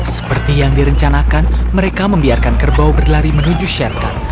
seperti yang direncanakan mereka membiarkan kerbau berlari menuju sherkan